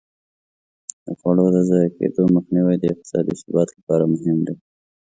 د خواړو د ضایع کېدو مخنیوی د اقتصادي ثبات لپاره مهم دی.